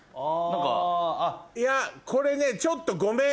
いやこれねちょっとごめん。